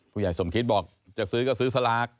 สมคิดบอกจะซื้อก็ซื้อสลาก